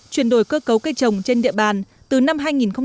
chuyển đổi cơ cấu cây trồng trên địa bàn từ năm hai nghìn một mươi năm